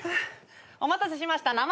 お待たせしました。